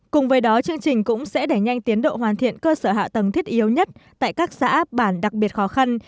cùng với đó chương trình cũng sẽ đẩy nhanh tiến độ hoàn thiện cơ sở hạ tầng thiết yếu nhất tại các xã bản đặc biệt khó khăn